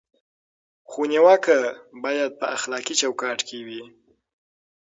خو نیوکه باید په اخلاقي چوکاټ کې وي.